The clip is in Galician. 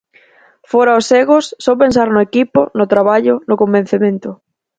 Fóra os egos, só pensar no equipo, no traballo, no convencemento.